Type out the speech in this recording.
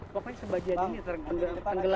pokoknya sebagiannya ini tergenggelam